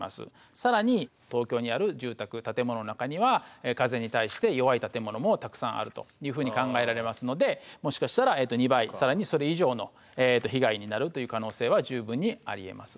更に東京にある住宅建物の中には風に対して弱い建物もたくさんあるというふうに考えられますのでもしかしたら２倍更にそれ以上の被害になるという可能性は十分にありえます。